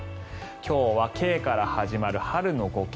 今日はＫから始まる春の５Ｋ。